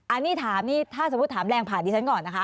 อันนี้ถามนี่ถ้าสมมุติถามแรงผ่านดิฉันก่อนนะคะ